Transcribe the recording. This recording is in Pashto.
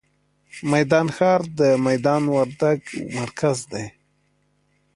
میدان ښار، د میدان وردګ مرکز دی.